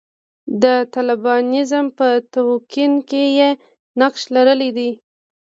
د طالبانیزم په تکوین کې یې نقش لرلی دی.